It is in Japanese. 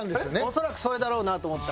恐らくそれだろうなと思ったから。